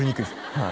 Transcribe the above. はい